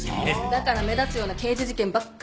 だから目立つような刑事事件ばっかりやってて。